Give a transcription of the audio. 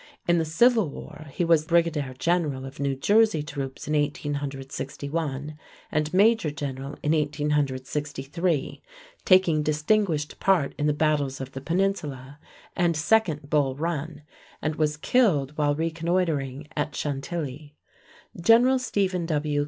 In the Civil War he was brigadier general of New Jersey troops in 1861 and major general in 1863, taking distinguished part in the battles of the Peninsula and second Bull Run, and was killed while reconnoitring at Chantilly. General Stephen W.